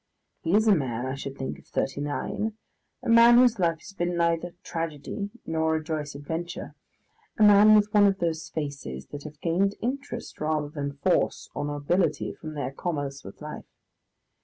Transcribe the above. He is a man, I should think, of thirty nine, a man whose life has been neither tragedy nor a joyous adventure, a man with one of those faces that have gained interest rather than force or nobility from their commerce with life.